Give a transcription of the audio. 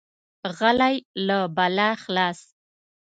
غلی، له بلا خلاص.